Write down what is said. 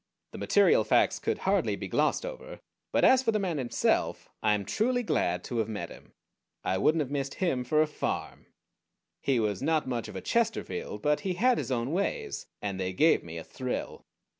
The material facts could hardly be glossed over; but as for the man himself I am truly glad to have met him. I wouldn't have missed him for a farm. He was not much of a Chesterfield; but he had his own ways, and they gave me a thrill.